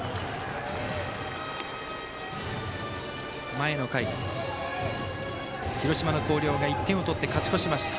前の回、広島の広陵が１点を取って勝ち越しました。